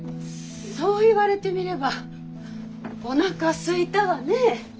そう言われてみればおなかすいたわね。